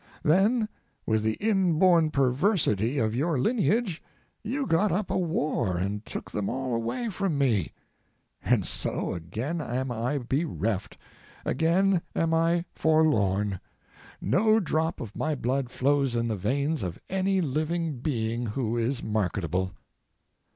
Then, with the inborn perversity of your lineage, you got up a war, and took them all away from me. And so, again am I bereft, again am I forlorn; no drop of my blood flows in the veins of any living being who is marketable.